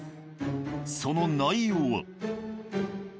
その内容は。